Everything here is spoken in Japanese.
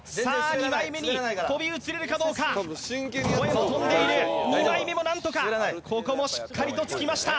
２枚目に跳び移れるかどうかこれも跳んでいる２枚目も何とかここもしっかりとつきました